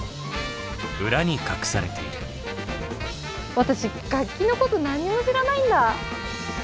私楽器のこと何にも知らないんだ。